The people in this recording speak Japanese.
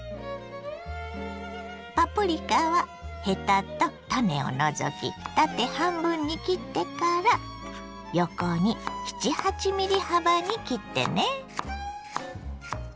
パプリカはヘタと種を除き縦半分に切ってから横に７８ｍｍ幅に切ってね。